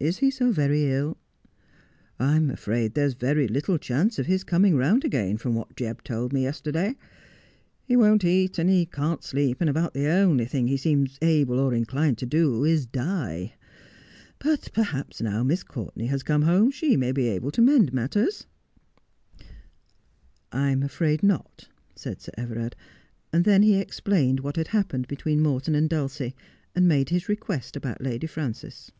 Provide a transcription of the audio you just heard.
' Is he so very ill 1 ' 'I'm afraid there's very little chance of his coming round again, from what Jebb told me yesterday. He won't eat, and he can't sleep, and about the only thing he seems able or in clined to do is to die. But perhaps now Miss Courtenay has come home, she may be able to mend matters 1 ' 1 I'm afraid not,' said Sir Everard, and then he explained what had happened between Morton and Dulcie, and made his request about Lady Frances.